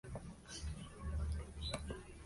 Son, y a la vez no son, obras únicas.